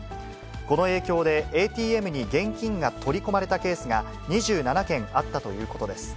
この影響でＡＴＭに現金が取り込まれたケースが２７件あったということです。